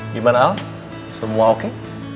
gimana al semua oke